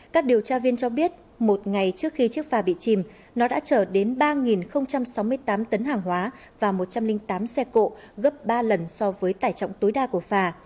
các điều tra viên cho biết một ngày trước khi chiếc phà bị chìm nó đã chở đến ba sáu mươi tám tấn hàng hóa và một trăm linh tám xe cộ gấp ba lần so với tải trọng tối đa của phà